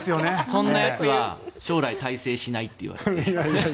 そんな奴は将来、大成しないといわれて。